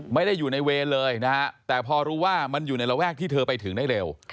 ไม่ได้อยู่ในเวรเลยนะฮะแต่พอรู้ว่ามันอยู่ในระแวกที่เธอไปถึงได้เร็ว